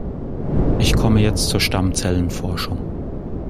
Ich komme jetzt zur Stammzellenforschung.